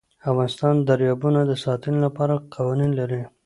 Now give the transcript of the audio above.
افغانستان د دریابونه د ساتنې لپاره قوانین لري.